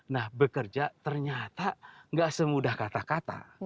nah bekerja ternyata gak semudah kata kata